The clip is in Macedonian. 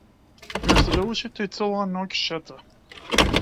Место да учи тој цела ноќ шета.